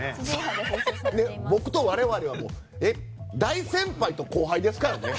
僕と我々は大先輩と後輩ですからね。